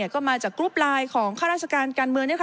ก็มาจากกรุ๊ปไลน์ของข้าราชการการเมือง